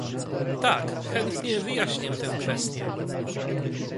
Tak, chętnie wyjaśnię tę kwestię